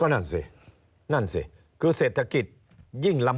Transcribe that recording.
นั่นสินั่นสิคือเศรษฐกิจ